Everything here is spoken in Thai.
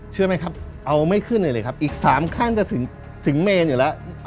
เชื่อไหมครับเอาไม่ขึ้นเลยเลยครับอีกสามข้างจะถึงถึงเมนอยู่แล้ว